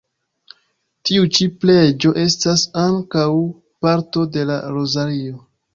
Tiu ĉi preĝo estas ankaŭ parto de la rozario.